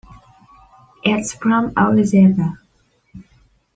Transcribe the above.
It is from Orizaba.